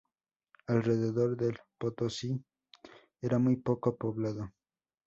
Alrededor del Potosí esta muy poco poblado.